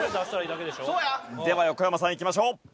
清水：では、横山さんいきましょう。